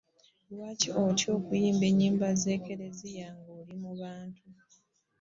Lwaki otya okuyimba enyimba zomu kereziya nga oli mu bantu?